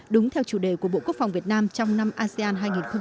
đúng theo chủ đề của bộ quốc phòng việt nam trong năm asean hai nghìn hai mươi